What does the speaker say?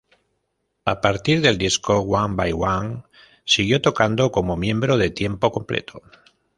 A partir del disco "One by One", siguió tocando como miembro de tiempo completo.